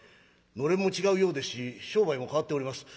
暖簾も違うようですし商売も変わっております。